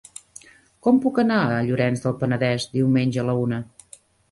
Com puc anar a Llorenç del Penedès diumenge a la una?